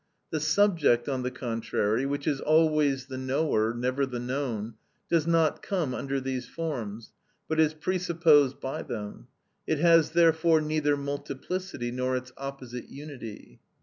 The subject, on the contrary, which is always the knower, never the known, does not come under these forms, but is presupposed by them; it has therefore neither multiplicity nor its opposite unity.